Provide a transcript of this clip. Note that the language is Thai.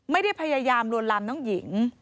ไม่ได้พยายามลวนลำน้องหญิง